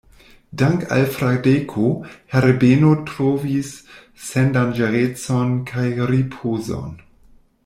Dank' al Fradeko, Herbeno trovis sendanĝerecon kaj ripozon.